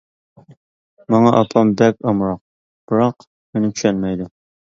ماڭا ئاپام بەك ئامراق، بىراق مېنى چۈشەنمەيدۇ.